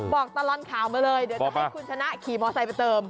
บอกตลอดข่าวมาเลยเดี๋ยวจะให้คุณชนะขี่มอไซค์ไปเติม